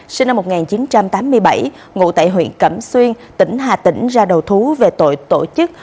sinh năm một nghìn chín trăm tám mươi bảy ngụ tại huyện cẩm xuyên tỉnh hà tĩnh ra đầu thú về tội tổ chức